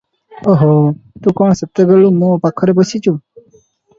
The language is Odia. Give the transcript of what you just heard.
"ଓ ହୋ! ତୁ କଣ ସେତେବେଳୁ ମୋ ପାଖରେ ବସିଚୁ?